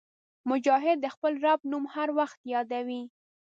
مجاهد د خپل رب نوم هر وخت یادوي.